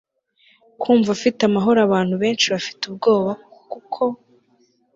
kumva afite amahoro abantu benshi bafite ubwoba kuko